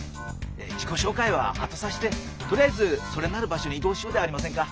自己紹介は後さしてとりあえずそれなる場所に移動しようではありませんか。